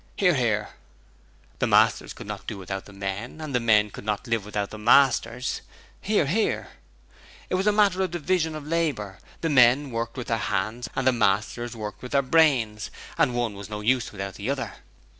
(Hear, hear.) The masters could not do without the men, and the men could not live without the masters. (Hear, hear.) It was a matter of division of labour: the men worked with their hands and the masters worked with their brains, and one was no use without the other.